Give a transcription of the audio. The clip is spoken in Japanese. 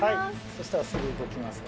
そしたらすぐ動きます。